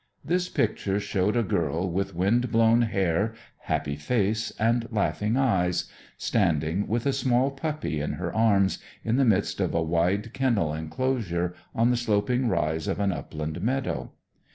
This picture showed a girl with wind blown hair, happy face, and laughing eyes, standing, with a small puppy in her arms, in the midst of a wide kennel enclosure on the sloping rise of an upland meadow.